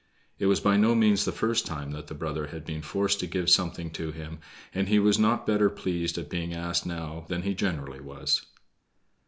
It was by no means the first time that the brother had been forced to give something to him, and he was not better pleased at being asked now than he generally was.